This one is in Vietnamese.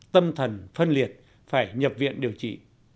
tâm thần phân liệt phải nhập viện điều trị